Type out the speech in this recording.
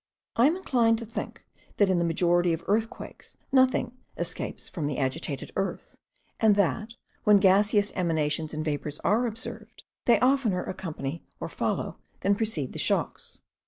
I am inclined to think that in the majority of earthquakes nothing escapes from the agitated earth; and that, when gaseous emanations and vapours are observed, they oftener accompany or follow, than precede the shocks.